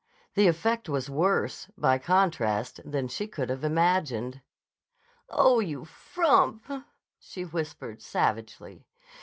The effect was worse, by contrast, than she could have imagined. "Oh, you frump!" she whispered savagely.